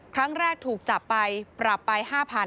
ครั้งแรกถูกจับไปปรับไป๕๐๐๐